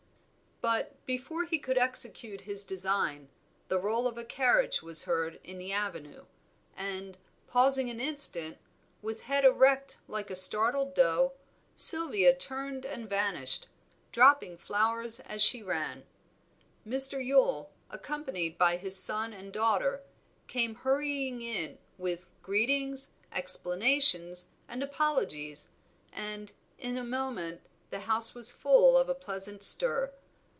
But, before he could execute his design, the roll of a carriage was heard in the avenue, and pausing an instant, with head erect like a startled doe, Sylvia turned and vanished, dropping flowers as she ran. Mr. Yule, accompanied by his son and daughter, came hurrying in with greetings, explanations, and apologies, and in a moment the house was full of a pleasant stir.